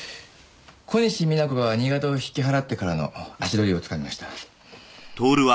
小西皆子が新潟を引き払ってからの足取りをつかみました。